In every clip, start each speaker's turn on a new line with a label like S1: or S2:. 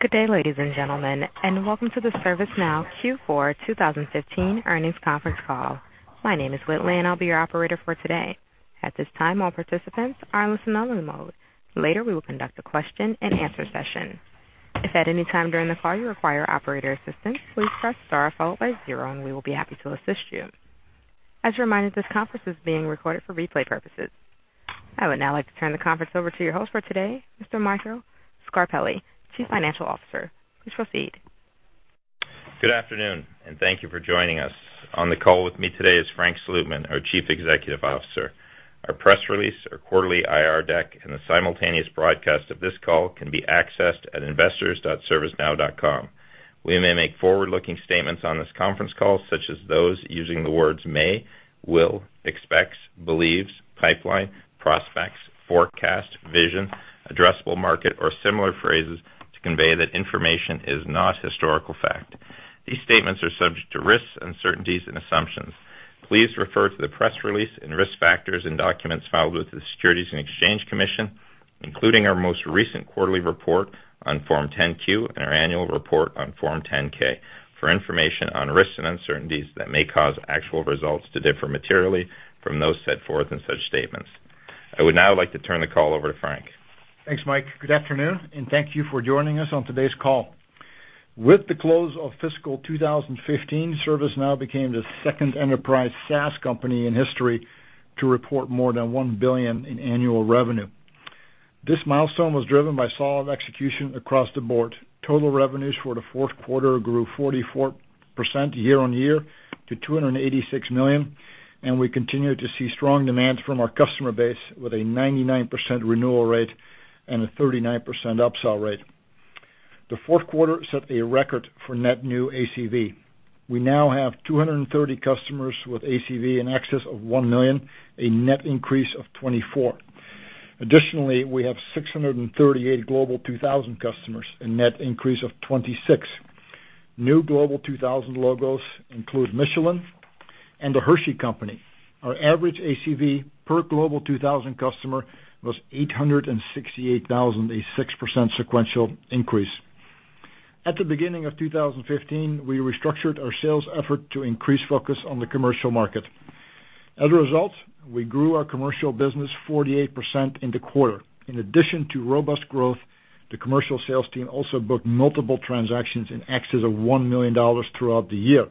S1: Good day, ladies and gentlemen, and welcome to the ServiceNow Q4 2015 earnings conference call. My name is Whitley, and I will be your operator for today. At this time, all participants are in listen-only mode. Later, we will conduct a question and answer session. If at any time during the call you require operator assistance, please press star followed by zero, and we will be happy to assist you. As a reminder, this conference is being recorded for replay purposes. I would now like to turn the conference over to your host for today, Mr. Michael Scarpelli, Chief Financial Officer. Please proceed.
S2: Good afternoon. Thank you for joining us. On the call with me today is Frank Slootman, our Chief Executive Officer. Our press release, our quarterly IR deck, and the simultaneous broadcast of this call can be accessed at investors.servicenow.com. We may make forward-looking statements on this conference call, such as those using the words may, will, expects, believes, pipeline, prospects, forecast, vision, addressable market, or similar phrases to convey that information is not historical fact. These statements are subject to risks, uncertainties and assumptions. Please refer to the press release and risk factors in documents filed with the Securities and Exchange Commission, including our most recent quarterly report on Form 10-Q and our annual report on Form 10-K for information on risks and uncertainties that may cause actual results to differ materially from those set forth in such statements. I would now like to turn the call over to Frank.
S3: Thanks, Mike. Good afternoon. Thank you for joining us on today's call. With the close of fiscal 2015, ServiceNow became the second enterprise SaaS company in history to report more than $1 billion in annual revenue. This milestone was driven by solid execution across the board. Total revenues for the fourth quarter grew 44% year-on-year to $286 million. We continue to see strong demand from our customer base with a 99% renewal rate and a 39% upsell rate. The fourth quarter set a record for net new ACV. We now have 230 customers with ACV in excess of $1 million, a net increase of 24. Additionally, we have 638 Global 2000 customers, a net increase of 26. New Global 2000 logos include Michelin and The Hershey Company. Our average ACV per Global 2000 customer was $868,000, a 6% sequential increase. At the beginning of 2015, we restructured our sales effort to increase focus on the commercial market. As a result, we grew our commercial business 48% in the quarter. In addition to robust growth, the commercial sales team also booked multiple transactions in excess of $1 million throughout the year.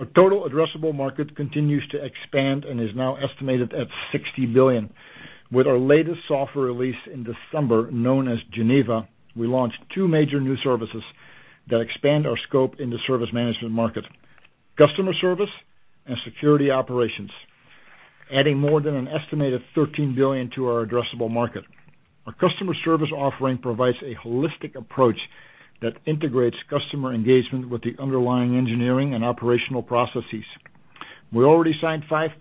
S3: Our total addressable market continues to expand and is now estimated at $60 billion. With our latest software release in December, known as Geneva, we launched two major new services that expand our scope in the service management market, Customer Service and Security Operations, adding more than an estimated $13 billion to our addressable market. Our Customer Service offering provides a holistic approach that integrates customer engagement with the underlying engineering and operational processes. We already signed five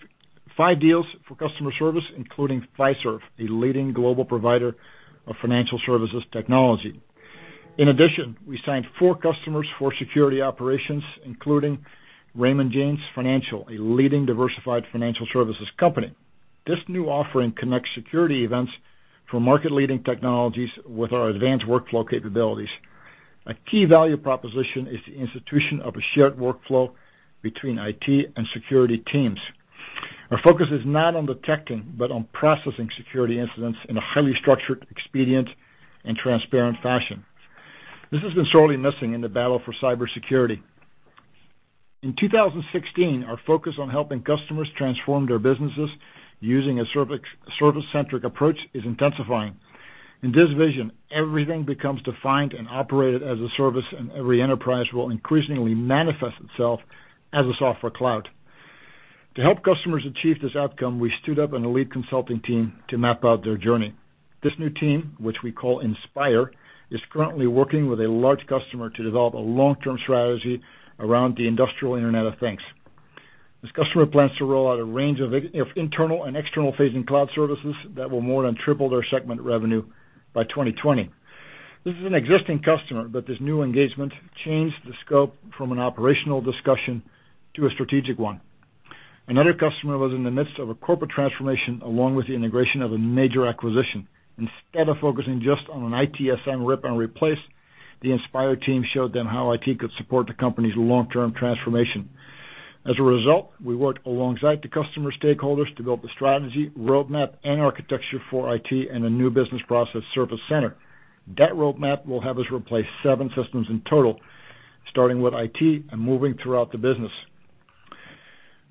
S3: deals for Customer Service, including Fiserv, a leading global provider of financial services technology. We signed four customers for Security Operations, including Raymond James Financial, a leading diversified financial services company. This new offering connects security events for market-leading technologies with our advanced workflow capabilities. A key value proposition is the institution of a shared workflow between IT and security teams. Our focus is not on detecting, but on processing security incidents in a highly structured, expedient, and transparent fashion. This has been sorely missing in the battle for cybersecurity. In 2016, our focus on helping customers transform their businesses using a service-centric approach is intensifying. In this vision, everything becomes defined and operated as a service, and every enterprise will increasingly manifest itself as a software cloud. To help customers achieve this outcome, we stood up an elite consulting team to map out their journey. This new team, which we call Inspire, is currently working with a large customer to develop a long-term strategy around the industrial Internet of Things. This customer plans to roll out a range of internal and external facing cloud services that will more than triple their segment revenue by 2020. This is an existing customer, but this new engagement changed the scope from an operational discussion to a strategic one. Another customer was in the midst of a corporate transformation, along with the integration of a major acquisition. Instead of focusing just on an ITSM rip and replace, the Inspire team showed them how IT could support the company's long-term transformation. As a result, we worked alongside the customer stakeholders to build the strategy, roadmap, and architecture for IT and a new business process service center. That roadmap will have us replace seven systems in total, starting with IT and moving throughout the business.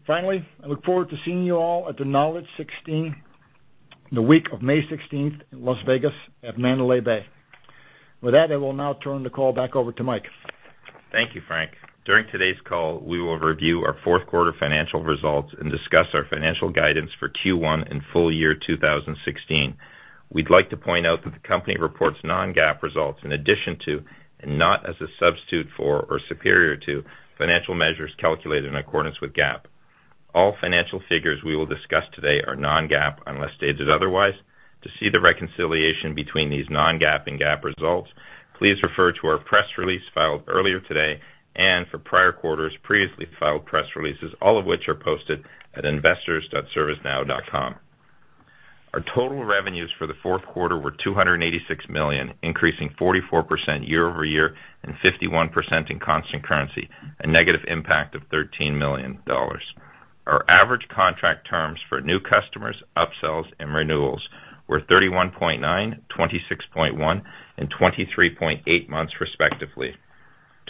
S3: I look forward to seeing you all at the Knowledge16 the week of May 16th in Las Vegas at Mandalay Bay. I will now turn the call back over to Mike.
S2: Thank you, Frank. During today's call, we will review our fourth quarter financial results and discuss our financial guidance for Q1 and full year 2016. We would like to point out that the company reports non-GAAP results in addition to, and not as a substitute for or superior to, financial measures calculated in accordance with GAAP. All financial figures we will discuss today are non-GAAP unless stated otherwise. To see the reconciliation between these non-GAAP and GAAP results, please refer to our press release filed earlier today and for prior quarters, previously filed press releases, all of which are posted at investors.servicenow.com. Our total revenues for the fourth quarter were $286 million, increasing 44% year-over-year and 51% in constant currency, a negative impact of $13 million. Our average contract terms for new customers, upsells, and renewals were 31.9, 26.1, and 23.8 months respectively.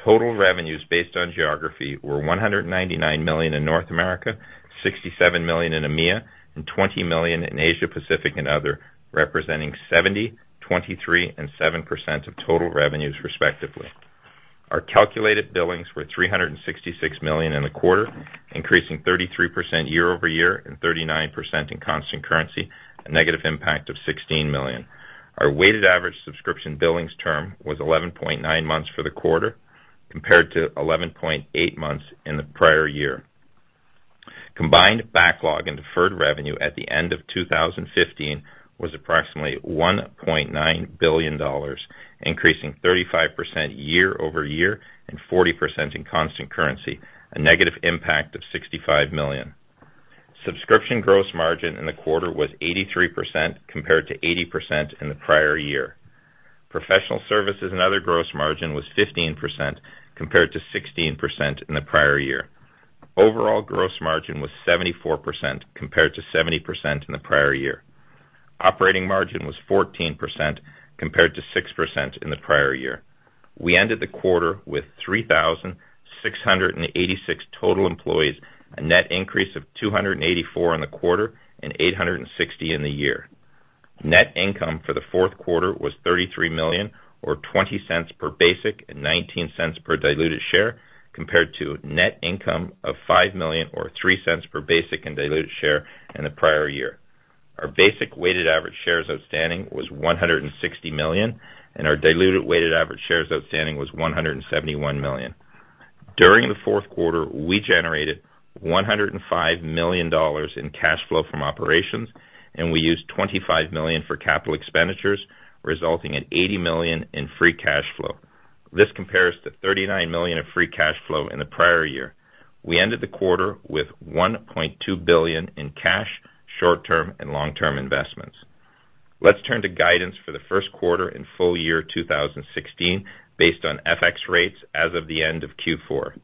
S2: Total revenues based on geography were $199 million in North America, $67 million in EMEA, and $20 million in Asia Pacific and other, representing 70%, 23%, and 7% of total revenues respectively. Our calculated billings were $366 million in the quarter, increasing 33% year-over-year and 39% in constant currency, a negative impact of $16 million. Our weighted average subscription billings term was 11.9 months for the quarter compared to 11.8 months in the prior year. Combined backlog and deferred revenue at the end of 2015 was approximately $1.9 billion, increasing 35% year-over-year and 40% in constant currency, a negative impact of $65 million. Subscription gross margin in the quarter was 83% compared to 80% in the prior year. Professional Services and other gross margin was 15% compared to 16% in the prior year. Overall gross margin was 74% compared to 70% in the prior year. Operating margin was 14% compared to 6% in the prior year. We ended the quarter with 3,686 total employees, a net increase of 284 in the quarter and 860 in the year. Net income for the fourth quarter was $33 million, or $0.20 per basic and $0.19 per diluted share, compared to net income of $5 million or $0.03 per basic and diluted share in the prior year. Our basic weighted average shares outstanding was 160 million, and our diluted weighted average shares outstanding was 171 million. During the fourth quarter, we generated $105 million in cash flow from operations, and we used $25 million for capital expenditures, resulting in $80 million in free cash flow. This compares to $39 million of free cash flow in the prior year. We ended the quarter with $1.2 billion in cash, short-term, and long-term investments. Let's turn to guidance for the first quarter and full year 2016 based on FX rates as of the end of Q4.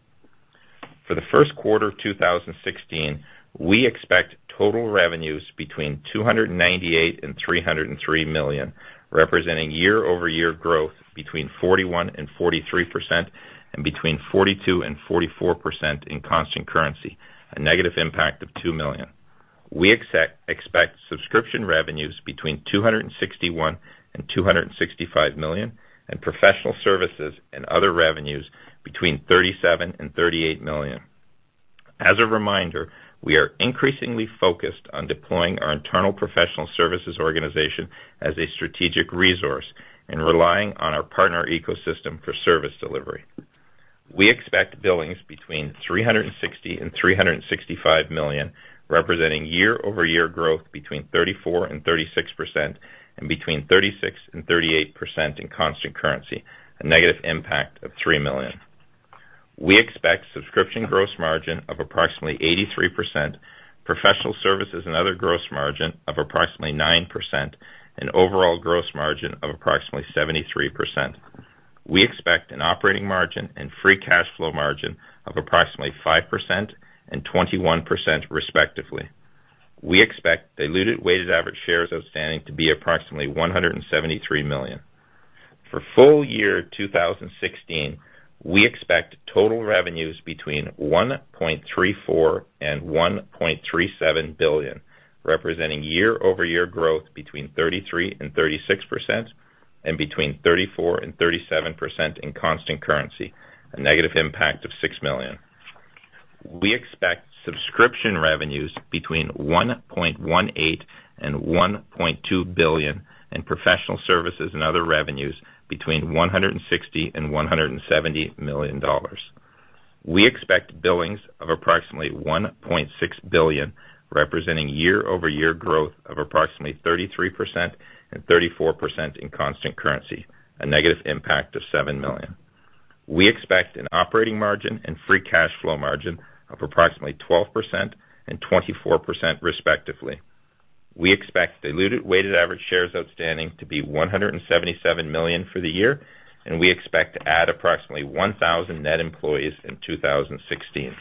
S2: For the first quarter of 2016, we expect total revenues between $298 million and $303 million, representing year-over-year growth between 41% and 43%, and between 42% and 44% in constant currency, a negative impact of $2 million. We expect subscription revenues between $261 million and $265 million, and Professional Services and other revenues between $37 million and $38 million. As a reminder, we are increasingly focused on deploying our internal Professional Services organization as a strategic resource and relying on our partner ecosystem for service delivery. We expect billings between $360 million and $365 million, representing year-over-year growth between 34% and 36%, and between 36% and 38% in constant currency, a negative impact of $3 million. We expect subscription gross margin of approximately 83%, professional services and other gross margin of approximately 9%, and overall gross margin of approximately 73%. We expect an operating margin and free cash flow margin of approximately 5% and 21% respectively. We expect diluted weighted average shares outstanding to be approximately 173 million. For full year 2016, we expect total revenues between $1.34 billion and $1.37 billion, representing year-over-year growth between 33% and 36%, and between 34% and 37% in constant currency, a negative impact of $6 million. We expect subscription revenues between $1.18 billion and $1.2 billion, and professional services and other revenues between $160 million and $170 million. We expect billings of approximately $1.6 billion, representing year-over-year growth of approximately 33% and 34% in constant currency, a negative impact of $7 million. We expect an operating margin and free cash flow margin of approximately 12% and 24% respectively. We expect diluted weighted average shares outstanding to be 177 million for the year, and we expect to add approximately 1,000 net employees in 2016.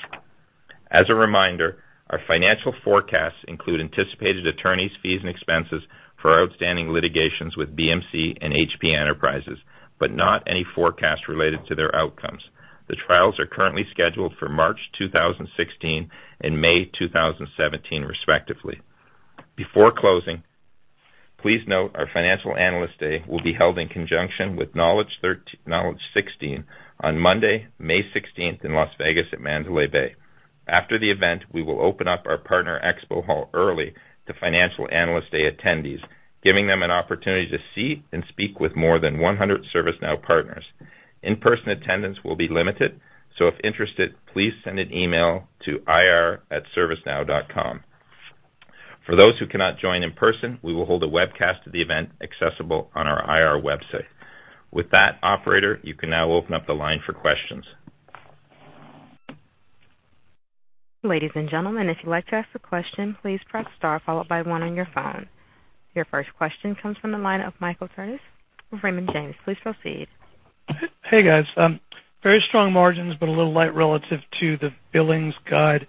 S2: As a reminder, our financial forecasts include anticipated attorneys' fees and expenses for our outstanding litigations with BMC and HP Enterprise, but not any forecasts related to their outcomes. The trials are currently scheduled for March 2016 and May 2017, respectively. Before closing, please note our financial analyst day will be held in conjunction with Knowledge16 on Monday, May 16th in Las Vegas at Mandalay Bay. After the event, we will open up our partner expo hall early to financial analyst day attendees, giving them an opportunity to see and speak with more than 100 ServiceNow partners. In-person attendance will be limited, so if interested, please send an email to ir@servicenow.com. For those who cannot join in person, we will hold a webcast of the event accessible on our IR website. With that, operator, you can now open up the line for questions.
S1: Ladies and gentlemen, if you'd like to ask a question, please press star followed by one on your phone. Your first question comes from the line of Michael Turits with Raymond James. Please proceed.
S4: Hey, guys. Very strong margins, a little light relative to the billings guide,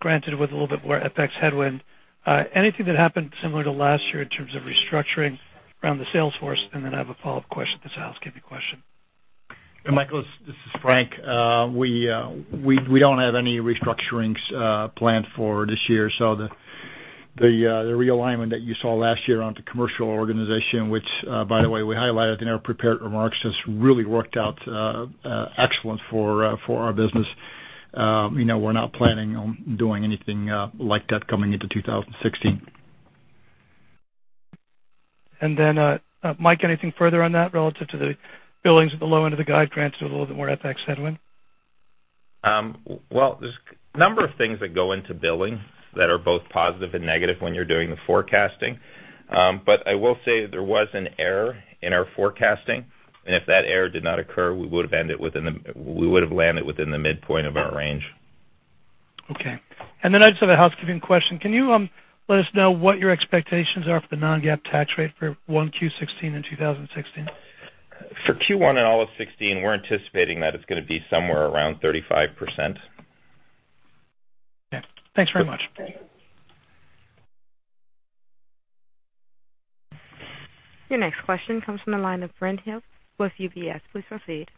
S4: granted with a little bit more FX headwind. Anything that happened similar to last year in terms of restructuring around the sales force? I have a follow-up question, it's a housekeeping question.
S3: Michael, this is Frank. We don't have any restructurings planned for this year. The realignment that you saw last year on the commercial organization, which, by the way, we highlighted in our prepared remarks, has really worked out excellent for our business. We're not planning on doing anything like that coming into 2016.
S4: Mike, anything further on that relative to the billings at the low end of the guide, granted with a little bit more FX headwind?
S2: Well, there's a number of things that go into billings that are both positive and negative when you're doing the forecasting. I will say that there was an error in our forecasting, and if that error did not occur, we would've landed within the midpoint of our range.
S4: Okay. Then I just have a housekeeping question. Can you let us know what your expectations are for the non-GAAP tax rate for 1Q16 and 2016?
S2: For Q1 and all of 2016, we're anticipating that it's going to be somewhere around 35%.
S4: Okay. Thanks very much.
S1: Your next question comes from the line of Brent Thill with UBS. Please proceed.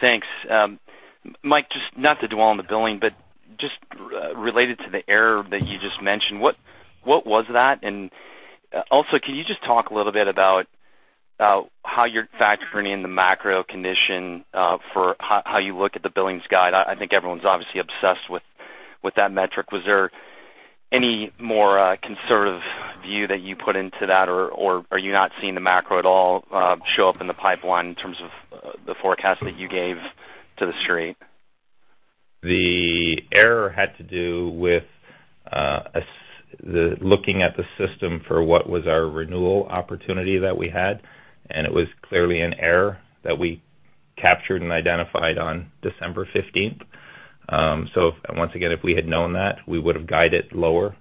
S5: Thanks. Mike, just not to dwell on the billing, but just related to the error that you just mentioned, what was that? Can you just talk a little bit about how you're factoring in the macro condition for how you look at the billings guide? I think everyone's obviously obsessed with that metric. Was there any more conservative view that you put into that, or are you not seeing the macro at all show up in the pipeline in terms of the forecast that you gave to the street?
S2: The error had to do with looking at the system for what was our renewal opportunity that we had, and it was clearly an error that we captured and identified on December 15th. Once again, if we had known that, we would've guided lower,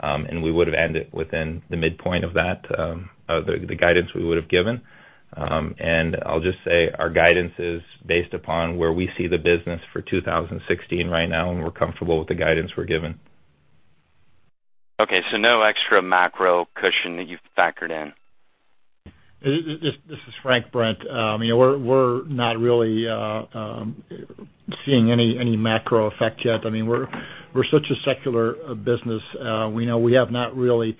S2: and we would've ended within the midpoint of the guidance we would've given. I'll just say our guidance is based upon where we see the business for 2016 right now, and we're comfortable with the guidance we're giving.
S5: Okay, no extra macro cushion that you've factored in.
S3: This is Frank, Brent. We're not really seeing any macro effect yet. We're such a secular business. We have not really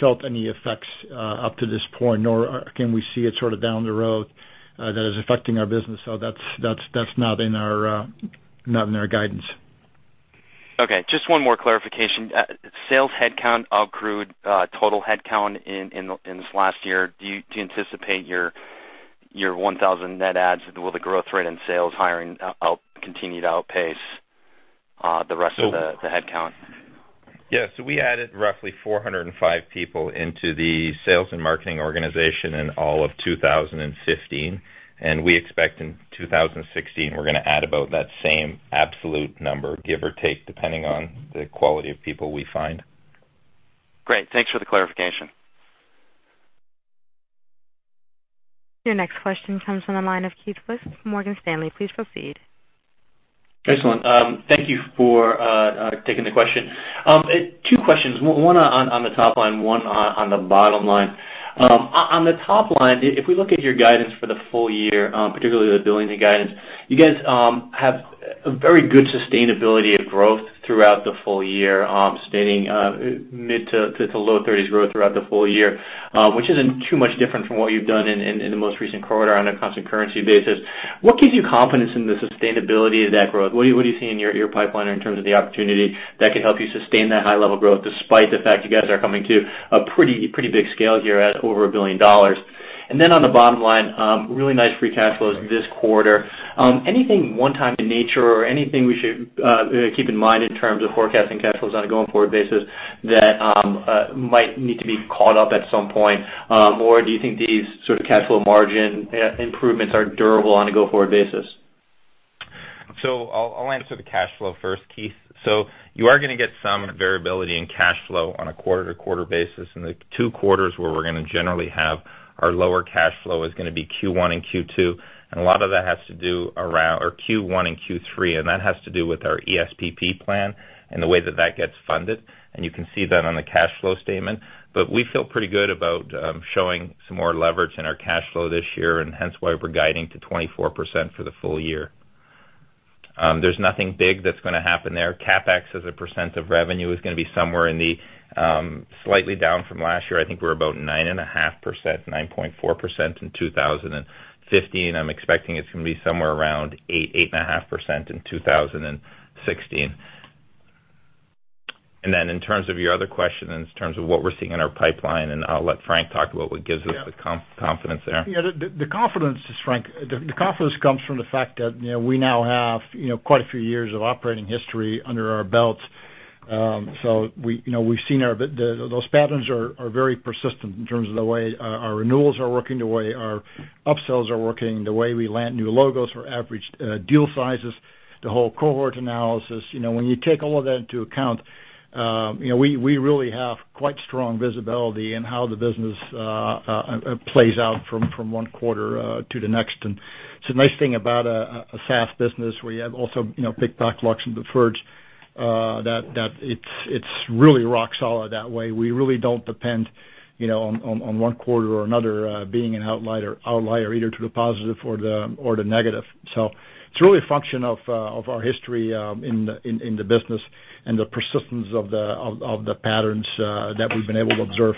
S3: felt any effects up to this point, nor can we see it sort of down the road that is affecting our business. That's not in our guidance.
S5: Okay, just one more clarification. Sales headcount outgrew total headcount in this last year. Do you anticipate your 1,000 net adds with the growth rate in sales hiring continue to outpace the rest of the headcount?
S2: Yeah, we added roughly 405 people into the sales and marketing organization in all of 2015, and we expect in 2016, we're going to add about that same absolute number, give or take, depending on the quality of people we find.
S5: Great. Thanks for the clarification.
S1: Your next question comes from the line of Keith Weiss with Morgan Stanley. Please proceed.
S6: Excellent. Thank you for taking the question. Two questions, one on the top line, one on the bottom line. On the top line, if we look at your guidance for the full year, particularly the billings and guidance, you guys have a very good sustainability of growth throughout the full year, stating mid to low 30s growth throughout the full year, which isn't too much different from what you've done in the most recent quarter on a constant currency basis. What gives you confidence in the sustainability of that growth? What are you seeing in your pipeline in terms of the opportunity that could help you sustain that high-level growth despite the fact you guys are coming to a pretty big scale here at over $1 billion? Really nice free cash flows this quarter. Anything one time in nature or anything we should keep in mind in terms of forecasting cash flows on a going forward basis that might need to be caught up at some point? Do you think these sort of cash flow margin improvements are durable on a go-forward basis?
S2: I'll answer the cash flow first, Keith. You are going to get some variability in cash flow on a quarter-to-quarter basis, and the two quarters where we're going to generally have our lower cash flow is going to be Q1 and Q2. A lot of that has to do or Q1 and Q3, and that has to do with our ESPP plan and the way that that gets funded. You can see that on the cash flow statement. We feel pretty good about showing some more leverage in our cash flow this year, and hence why we're guiding to 24% for the full year. There's nothing big that's going to happen there. CapEx as a % of revenue is going to be somewhere in the slightly down from last year. I think we're about 9.5%, 9.4% in 2015. I'm expecting it's going to be somewhere around 8%, 8.5% in 2016. In terms of your other question, in terms of what we're seeing in our pipeline, and I'll let Frank talk about what gives us the confidence there.
S3: Yeah. The confidence comes from the fact that we now have quite a few years of operating history under our belts. We've seen those patterns are very persistent in terms of the way our renewals are working, the way our upsells are working, the way we land new logos for average deal sizes, the whole cohort analysis. When you take all of that into account, we really have quite strong visibility in how the business plays out from one quarter to the next. It's a nice thing about a SaaS business where you have also pick, pack, flush, and defer that it's really rock solid that way. We really don't depend on one quarter or another being an outlier either to the positive or the negative. It's really a function of our history in the business and the persistence of the patterns that we've been able to observe.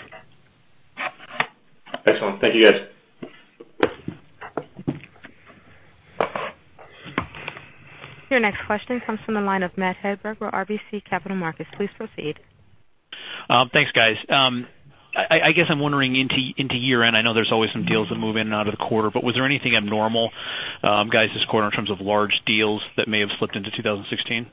S6: Excellent. Thank you, guys.
S1: Your next question comes from the line of Matt Hedberg with RBC Capital Markets. Please proceed.
S7: Thanks, guys. I guess I'm wondering into year-end, I know there's always some deals that move in and out of the quarter, was there anything abnormal, guys, this quarter in terms of large deals that may have slipped into 2016?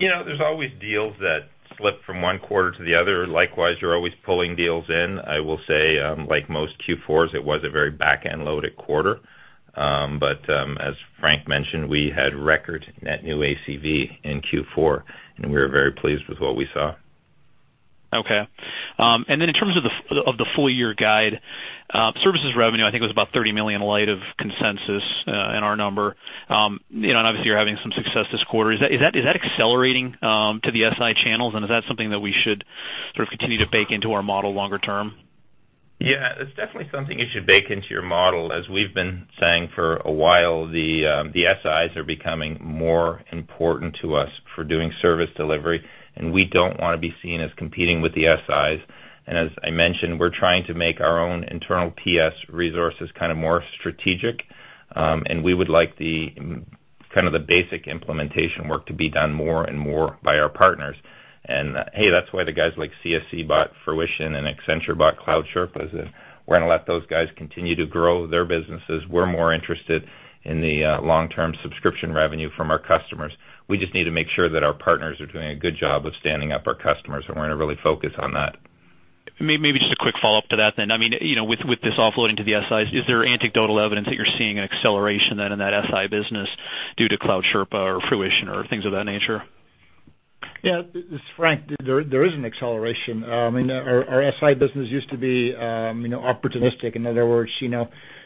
S2: There's always deals that slip from one quarter to the other. Likewise, you're always pulling deals in. I will say, like most Q4s, it was a very back-end loaded quarter. As Frank mentioned, we had record net new ACV in Q4, and we were very pleased with what we saw.
S7: Okay. In terms of the full-year guide, services revenue, I think, was about $30 million light of consensus in our number. Obviously, you're having some success this quarter. Is that accelerating to the SI channels, and is that something that we should sort of continue to bake into our model longer term?
S2: Yeah, it's definitely something you should bake into your model. As we've been saying for a while, the SIs are becoming more important to us for doing service delivery, and we don't want to be seen as competing with the SIs. As I mentioned, we're trying to make our own internal PS resources kind of more strategic. We would like the basic implementation work to be done more and more by our partners. Hey, that's why the guys like CSC bought Fruition and Accenture bought Cloud Sherpas, and we're going to let those guys continue to grow their businesses. We're more interested in the long-term subscription revenue from our customers. We just need to make sure that our partners are doing a good job of standing up our customers, and we're going to really focus on that.
S7: Maybe just a quick follow-up to that then. With this offloading to the SIs, is there anecdotal evidence that you're seeing an acceleration then in that SI business due to Cloud Sherpas or Fruition or things of that nature?
S3: Yeah. This is Frank. There is an acceleration. Our SI business used to be opportunistic. In other words,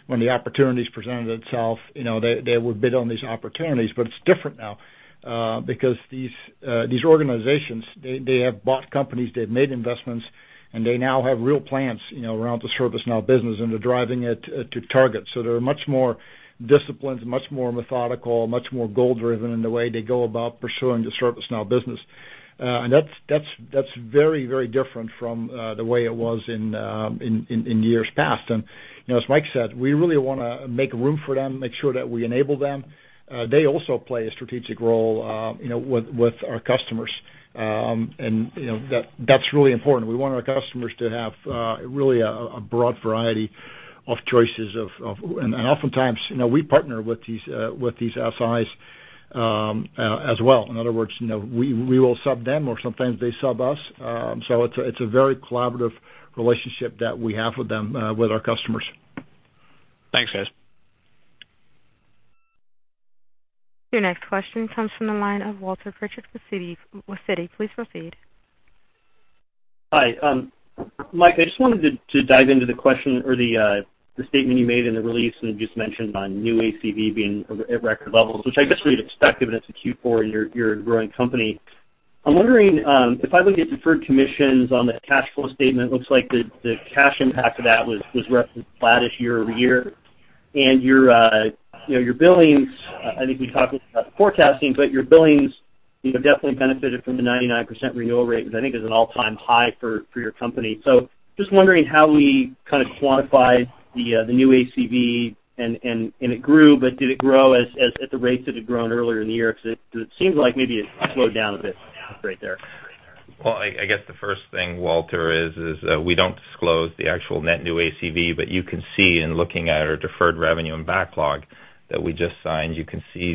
S3: when the opportunities presented itself, they would bid on these opportunities. It's different now, because these organizations, they have bought companies, they've made investments, and they now have real plans around the ServiceNow business, and they're driving it to target. They're much more disciplined, much more methodical, much more goal-driven in the way they go about pursuing the ServiceNow business. That's very different from the way it was in years past. As Mike said, we really want to make room for them, make sure that we enable them. They also play a strategic role with our customers, and that's really important. We want our customers to have really a broad variety of choices. Oftentimes, we partner with these SIs as well. In other words, we will sub them, or sometimes they sub us. It's a very collaborative relationship that we have with them, with our customers.
S7: Thanks, guys.
S1: Your next question comes from the line of Walter Pritchard with Citi. Please proceed.
S8: Hi. Mike, I just wanted to dive into the question or the statement you made in the release. You just mentioned on new ACV being at record levels, which I guess we'd expect of it. It's a Q4 and you're a growing company. I'm wondering, if I look at deferred commissions on the cash flow statement, it looks like the cash impact of that was roughly flattish year-over-year. Your billings, I think we talked a little about the forecasting, but your billings definitely benefited from the 99% renewal rate, which I think is an all-time high for your company. Just wondering how we kind of quantify the new ACV, and it grew, but did it grow at the rates that had grown earlier in the year? Because it seems like maybe it slowed down a bit right there.
S2: Well, I guess the first thing, Walter, is we don't disclose the actual net new ACV, but you can see in looking at our deferred revenue and backlog that we just signed, you can see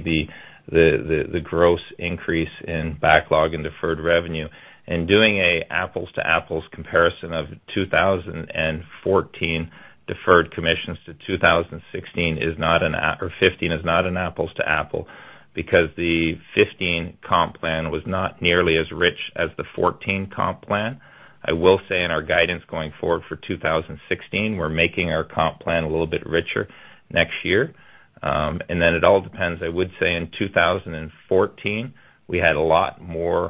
S2: the gross increase in backlog and deferred revenue. Doing an apples-to-apples comparison of 2014 deferred commissions to 2016 is not an apples-to-apples, or '15 is not an apples-to-apples, because the '15 comp plan was not nearly as rich as the '14 comp plan. I will say in our guidance going forward for 2016, we're making our comp plan a little bit richer next year. Then it all depends. I would say in 2014, we had a lot of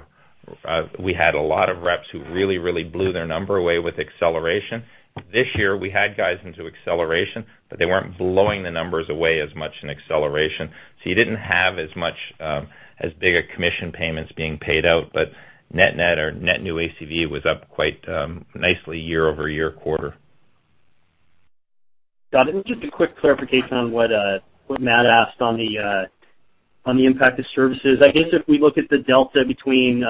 S2: reps who really blew their number away with acceleration. This year, we had guys into acceleration, but they weren't blowing the numbers away as much in acceleration. You didn't have as big a commission payments being paid out. Net new ACV was up quite nicely year-over-year quarter.
S8: Got it. Just a quick clarification on what Matt asked on the impact of services. I guess if we look at the delta between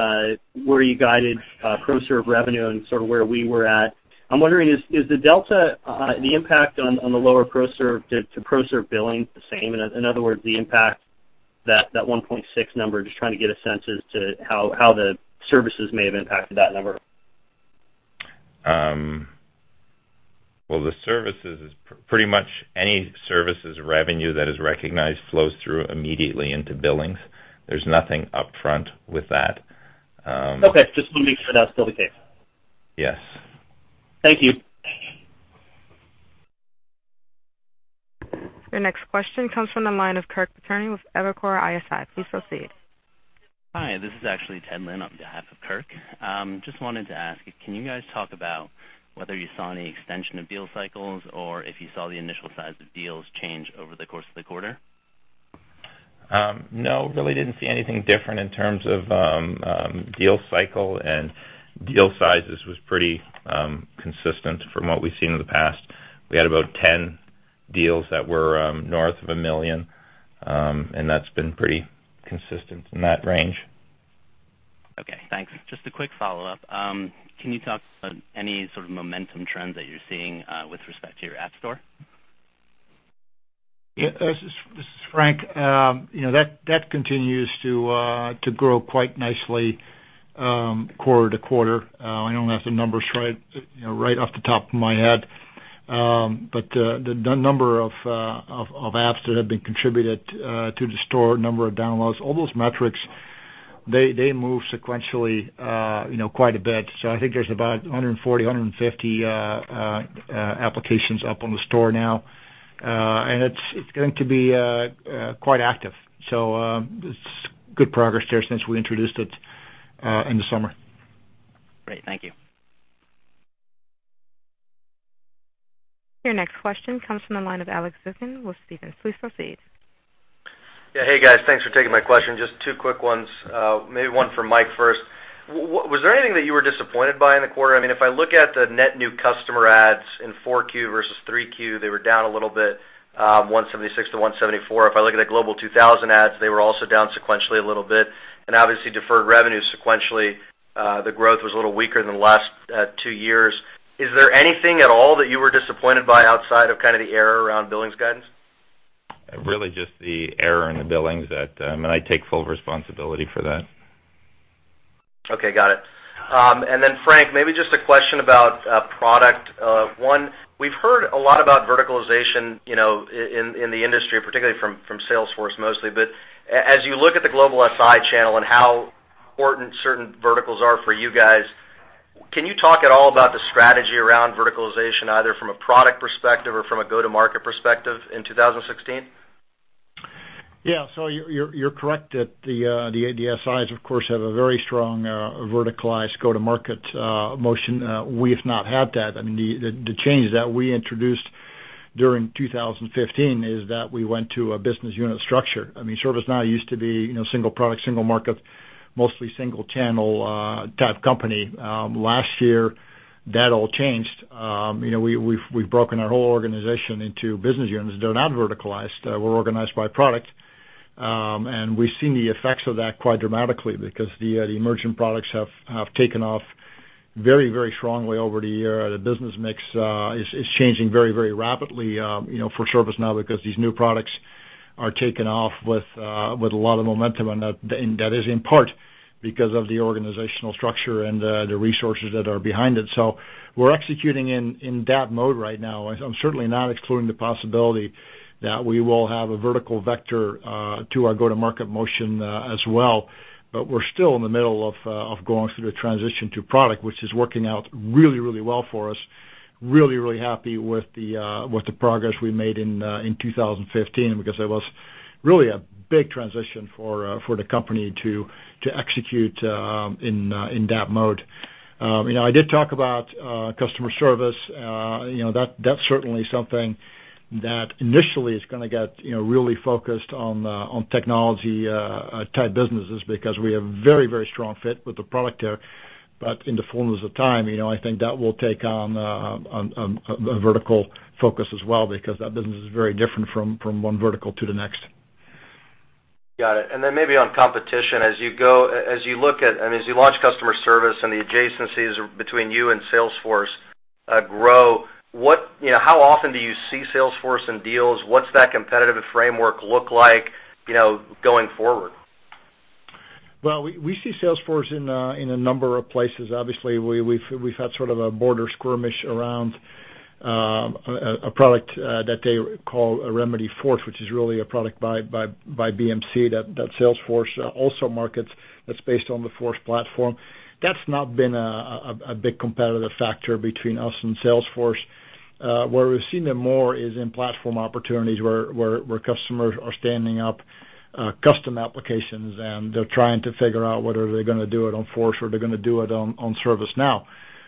S8: where you guided ProServ revenue and sort of where we were at, I'm wondering, is the delta, the impact on the lower ProServ to ProServ billing the same? In other words, the impact, that 1.6 number, just trying to get a sense as to how the services may have impacted that number.
S2: Well, the services, pretty much any services revenue that is recognized flows through immediately into billings. There's nothing upfront with that.
S8: Okay. Just wanting to make sure that's still the case.
S2: Yes.
S8: Thank you.
S1: Your next question comes from the line of Kirk Materne with Evercore ISI. Please proceed.
S9: Hi, this is actually Ted Lin on behalf of Kirk. Just wanted to ask, can you guys talk about whether you saw any extension of deal cycles, or if you saw the initial size of deals change over the course of the quarter?
S2: No, really didn't see anything different in terms of deal cycle and deal sizes was pretty consistent from what we've seen in the past. We had about 10 deals that were north of $1 million, and that's been pretty consistent in that range.
S9: Okay, thanks. Just a quick follow-up. Can you talk about any sort of momentum trends that you're seeing with respect to your app store?
S3: This is Frank. That continues to grow quite nicely quarter-to-quarter. I don't have the numbers right off the top of my head. The number of apps that have been contributed to the store, number of downloads, all those metrics, they move sequentially quite a bit. I think there's about 140, 150 applications up on the store now. It's going to be quite active. It's good progress there since we introduced it in the summer.
S9: Great, thank you.
S1: Your next question comes from the line of Alex Zukin with Stephens. Please proceed.
S10: Hey, guys. Thanks for taking my question. Just two quick ones. Maybe one for Mike first. Was there anything that you were disappointed by in the quarter? If I look at the net new customer adds in 4Q versus 3Q, they were down a little bit, 176 to 174. If I look at the Global 2000 adds, they were also down sequentially a little bit. Obviously deferred revenue sequentially, the growth was a little weaker than the last two years. Is there anything at all that you were disappointed by outside of kind of the error around billings guidance?
S2: Really just the error in the billings, I take full responsibility for that.
S10: Okay, got it. Frank, maybe just a question about product. One, we've heard a lot about verticalization in the industry, particularly from Salesforce mostly. As you look at the global SI channel and how important certain verticals are for you guys, can you talk at all about the strategy around verticalization, either from a product perspective or from a go-to-market perspective in 2016?
S3: Yeah. You're correct that the SIs, of course, have a very strong verticalized go-to-market motion. We've not had that. The changes that we introduced during 2015 is that we went to a business unit structure. ServiceNow used to be single product, single market, mostly single channel type company. Last year, that all changed. We've broken our whole organization into business units that are not verticalized. We're organized by product. We've seen the effects of that quite dramatically because the emerging products have taken off very strongly over the year. The business mix is changing very rapidly for ServiceNow because these new products are taking off with a lot of momentum, that is in part because of the organizational structure and the resources that are behind it. We're executing in that mode right now. I'm certainly not excluding the possibility that we will have a vertical vector to our go-to-market motion as well. We're still in the middle of going through the transition to product, which is working out really well for us, really happy with the progress we made in 2015, because it was really a big transition for the company to execute in that mode. I did talk about Customer Service. That's certainly something that initially is going to get really focused on technology-type businesses because we have very strong fit with the product there. In the fullness of time, I think that will take on a vertical focus as well because that business is very different from one vertical to the next.
S10: Got it. Then maybe on competition, as you launch customer service and the adjacencies between you and Salesforce grow, how often do you see Salesforce in deals? What's that competitive framework look like going forward?
S3: Well, we see Salesforce in a number of places. Obviously, we've had sort of a border skirmish around a product that they call Remedyforce, which is really a product by BMC that Salesforce also markets that's based on the Force platform. That's not been a big competitive factor between us and Salesforce. Where we've seen them more is in platform opportunities where customers are standing up custom applications, and they're trying to figure out whether they're going to do it on Force or they're going to do it on ServiceNow.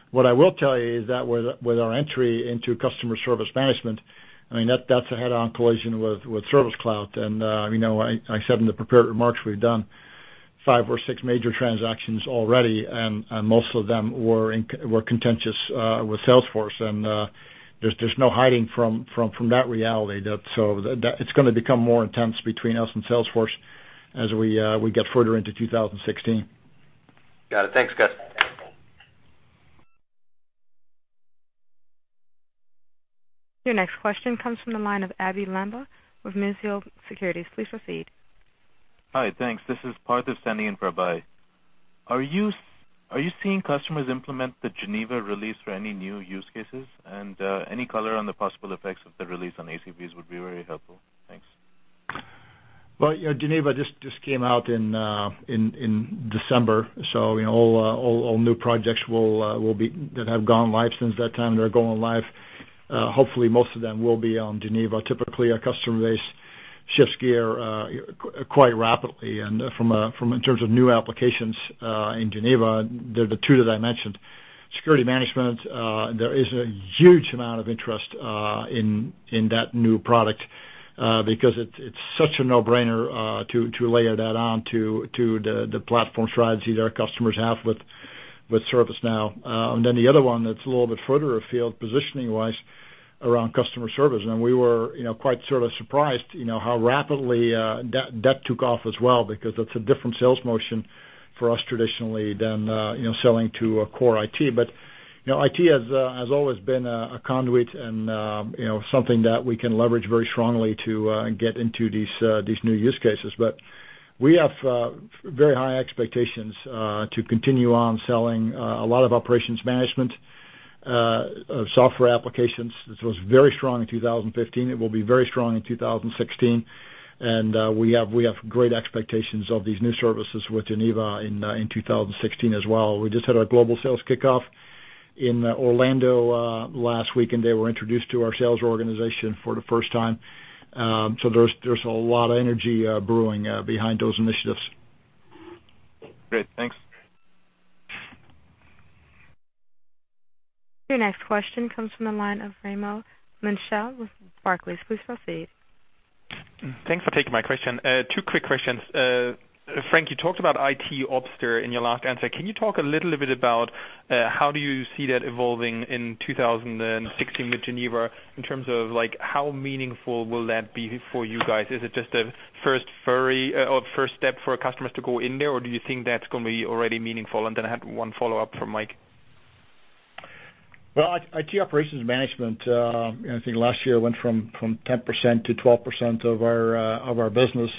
S3: What I will tell you is that with our entry into Customer Service Management, that's a head-on collision with Service Cloud. I said in the prepared remarks we've done Five or six major transactions already, and most of them were contentious with Salesforce. There's no hiding from that reality, it's going to become more intense between us and Salesforce as we get further into 2016.
S11: Got it. Thanks, guys.
S10: Your next question comes from the line of Abhey Lamba with Mizuho Securities. Please proceed.
S11: Hi, thanks. This is Siti standing in for Abhi. Are you seeing customers implement the Geneva release for any new use cases? Any color on the possible effects of the release on ACVs would be very helpful. Thanks.
S3: Well, Geneva just came out in December. All new projects that have gone live since that time, they're going live. Hopefully, most of them will be on Geneva. Typically, our customer base shifts gear quite rapidly. In terms of new applications in Geneva, they're the two that I mentioned. Security management, there is a huge amount of interest in that new product because it's such a no-brainer to layer that on to the platform strategy that our customers have with ServiceNow. Then the other one that's a little bit further afield positioning-wise around customer service. We were quite surprised how rapidly that took off as well, because that's a different sales motion for us traditionally than selling to core IT. IT has always been a conduit and something that we can leverage very strongly to get into these new use cases. We have very high expectations to continue on selling a lot of operations management software applications. This was very strong in 2015. It will be very strong in 2016. We have great expectations of these new services with Geneva in 2016 as well. We just had our global sales kickoff in Orlando last week, and they were introduced to our sales organization for the first time. There's a lot of energy brewing behind those initiatives.
S11: Great. Thanks.
S1: Your next question comes from the line of Raimo Lenschow with Barclays. Please proceed.
S12: Thanks for taking my question. Two quick questions. Frank, you talked about IT Ops there in your last answer. Can you talk a little bit about how do you see that evolving in 2016 with Geneva in terms of how meaningful will that be for you guys? Is it just a first step for customers to go in there, or do you think that's going to be already meaningful? I have one follow-up for Mike.
S3: Well, IT operations management I think last year went from 10% to 12% of our business.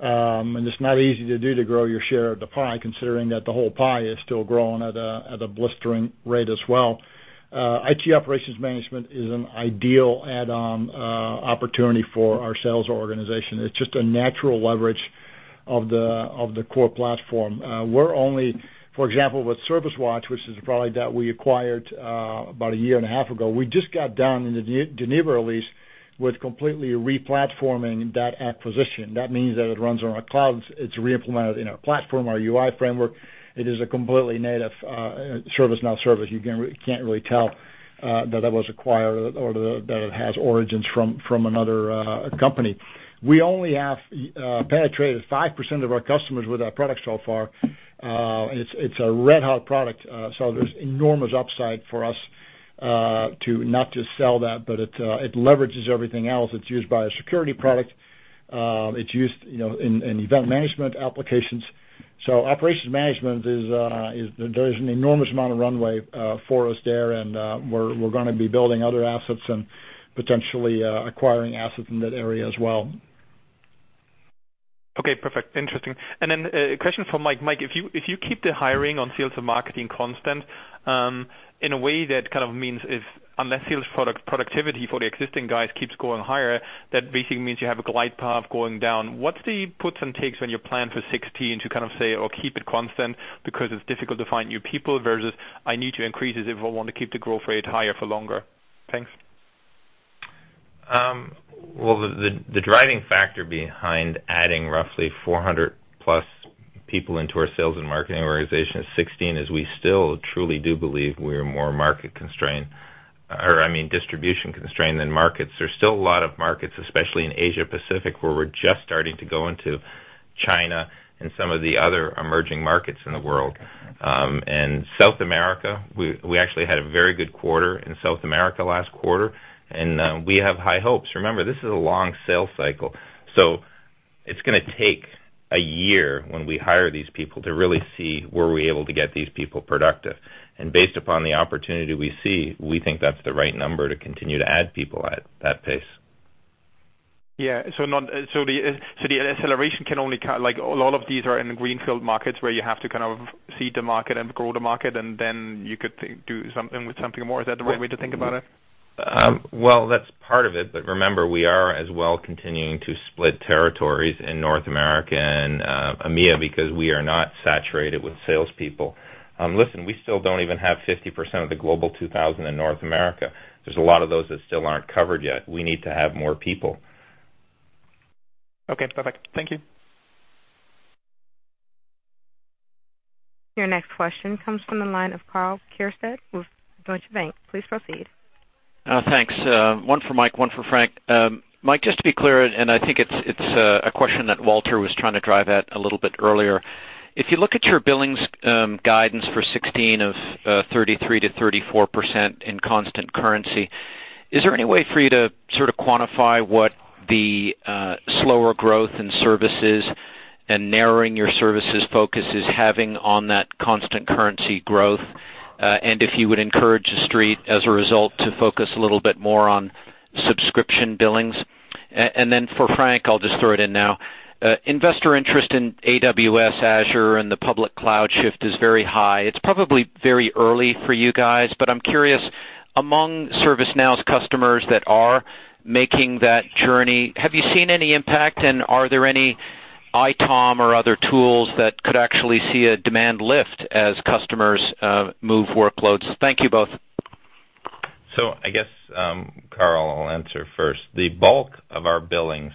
S3: It's not easy to do to grow your share of the pie, considering that the whole pie is still growing at a blistering rate as well. IT operations management is an ideal add-on opportunity for our sales organization. It's just a natural leverage of the core platform. We're only, for example, with ServiceWatch, which is a product that we acquired about a year and a half ago, we just got done in the Geneva release with completely re-platforming that acquisition. That means that it runs on our clouds. It's reimplemented in our platform, our UI framework. It is a completely native ServiceNow service. You can't really tell that that was acquired or that it has origins from another company. We only have penetrated 5% of our customers with our products so far. It's a red-hot product, there's enormous upside for us to not just sell that, but it leverages everything else. It's used by a security product. It's used in event management applications. Operations management, there is an enormous amount of runway for us there, and we're going to be building other assets and potentially acquiring assets in that area as well.
S12: Okay, perfect. Interesting. Then a question for Mike. Mike, if you keep the hiring on sales and marketing constant, in a way that kind of means if unless sales productivity for the existing guys keeps going higher, that basically means you have a glide path going down. What's the puts and takes on your plan for 2016 to kind of say, "Oh, keep it constant because it's difficult to find new people," versus, "I need to increase this if I want to keep the growth rate higher for longer?" Thanks.
S2: Well, the driving factor behind adding roughly 400-plus people into our sales and marketing organization in 2016 is we still truly do believe we are more market-constrained, or I mean, distribution-constrained than markets. There's still a lot of markets, especially in Asia-Pacific, where we're just starting to go into China and some of the other emerging markets in the world. South America, we actually had a very good quarter in South America last quarter, and we have high hopes. Remember, this is a long sales cycle, so it's going to take a year when we hire these people to really see were we able to get these people productive. Based upon the opportunity we see, we think that's the right number to continue to add people at that pace.
S12: Yeah. The acceleration can only all of these are in greenfield markets where you have to kind of seed the market and grow the market, then you could do something with something more. Is that the right way to think about it?
S2: Well, that's part of it. Remember, we are as well continuing to split territories in North America and EMEA because we are not saturated with salespeople. Listen, we still don't even have 50% of the Global 2000 in North America. There's a lot of those that still aren't covered yet. We need to have more people.
S12: Okay, perfect. Thank you.
S1: Your next question comes from the line of Karl Keirstead with Deutsche Bank. Please proceed.
S13: Thanks. One for Mike, one for Frank. Mike, just to be clear, I think it's a question that Walter was trying to drive at a little bit earlier. If you look at your billings guidance for 2016 of 33%-34% in constant currency, is there any way for you to quantify what the slower growth in services and narrowing your services focus is having on that constant currency growth? If you would encourage the Street, as a result, to focus a little bit more on subscription billings? For Frank, I'll just throw it in now. Investor interest in AWS Azure and the public cloud shift is very high. It's probably very early for you guys, but I'm curious, among ServiceNow's customers that are making that journey, have you seen any impact? Are there any ITOM or other tools that could actually see a demand lift as customers move workloads? Thank you both.
S2: I guess, Karl, I'll answer first. The bulk of our billings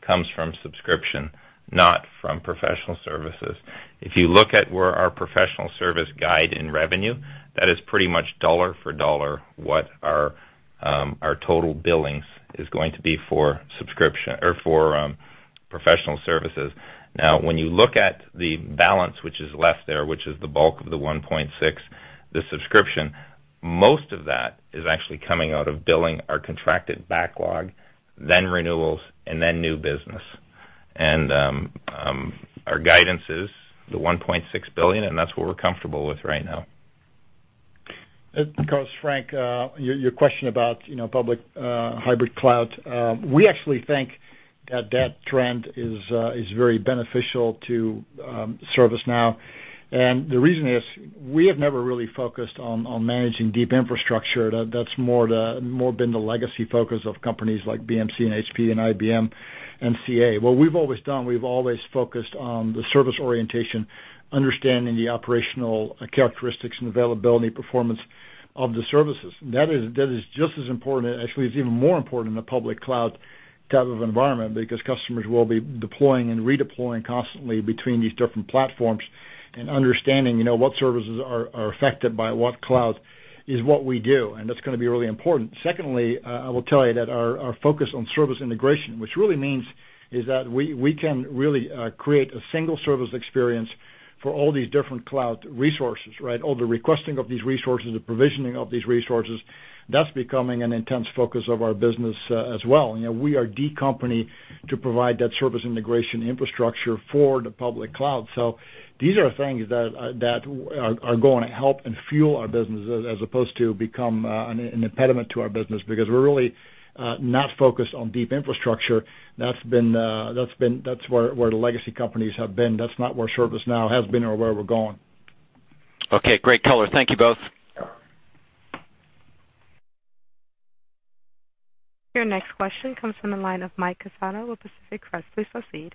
S2: comes from subscription, not from professional services. If you look at where our professional service guide in revenue, that is pretty much dollar for dollar what our total billings is going to be for professional services. When you look at the balance which is left there, which is the bulk of the $1.6, the subscription, most of that is actually coming out of billing our contracted backlog, then renewals, and then new business. Our guidance is the $1.6 billion, and that's what we're comfortable with right now.
S3: Karl, it's Frank. Your question about public hybrid cloud. We actually think that that trend is very beneficial to ServiceNow. The reason is, we have never really focused on managing deep infrastructure. That's more been the legacy focus of companies like BMC and HP and IBM and CA. What we've always done, we've always focused on the service orientation, understanding the operational characteristics and availability performance of the services. That is just as important, actually it's even more important in a public cloud type of environment because customers will be deploying and redeploying constantly between these different platforms. Understanding what services are affected by what cloud is what we do, and that's going to be really important. Secondly, I will tell you that our focus on service integration, which really means is that we can really create a single service experience for all these different cloud resources. All the requesting of these resources, the provisioning of these resources, that's becoming an intense focus of our business as well. We are the company to provide that service integration infrastructure for the public cloud. These are things that are going to help and fuel our business as opposed to become an impediment to our business, because we're really not focused on deep infrastructure. That's where the legacy companies have been. That's not where ServiceNow has been or where we're going.
S13: Okay. Great color. Thank you both.
S1: Your next question comes from the line of Mike Cassano with Pacific Crest. Please proceed.